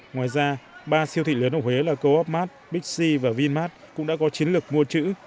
ngoài ra ba siêu thị lớn ở huế là coopmart bixi và vinmart cũng đã có chiến lược mua chữ